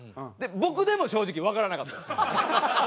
僕でも正直わからなかったです。